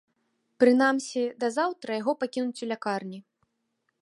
Прынамсі, да заўтра яго пакінуць у лякарні.